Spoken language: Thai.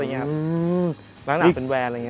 รั้งหนาเป็นแวน